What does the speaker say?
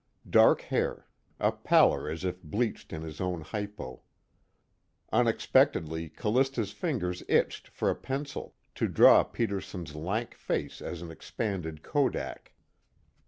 Dark hair, a pallor as if bleached in his own hypo. Unexpectedly Callista's fingers itched for a pencil, to draw Peterson's lank face as an expanded kodak.